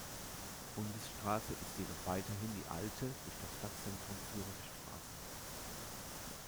Bundesstraße ist jedoch weiterhin die alte durch das Stadtzentrum führende Straße.